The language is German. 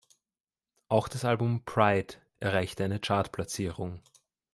Auch das Album "Pride" erreichte eine Chartplatzierung.